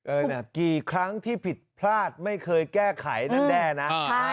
กี่ครั้งที่ผิดพลาดไม่เคยแก้ไขนั้นแน่นะ